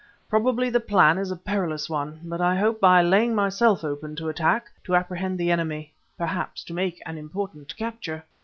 Probably the plan is a perilous one, but I hope, by laying myself open to attack, to apprehend the enemy perhaps to make an important capture."